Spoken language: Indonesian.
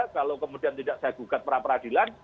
kalau kemudian tidak saya gugat peradilan